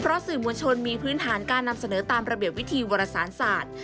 เพราะสื่อมวลชนมีพื้นฐานการนำเสนอตามระเบียบวิธีวรสารศาสตร์